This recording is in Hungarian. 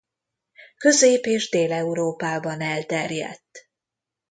Közép- és Dél-Európában elterjedt.